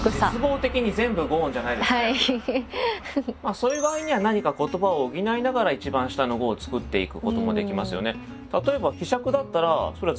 そういう場合には何か言葉を補いながら一番下の五を作っていくこともできますよね。